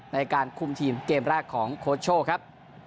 ในการคุมทีมเกมแรกของโค้ชโชคครับ